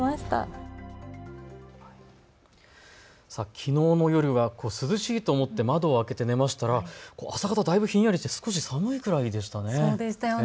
きのうの夜は涼しいと思って窓を開けて寝ましたら風がひんやりしていて寒いくらいでしたね。